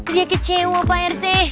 dia kecewa pak irte